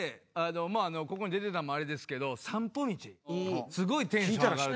ここに出てたんもあれですけど『散歩道』すごいテンション上がる。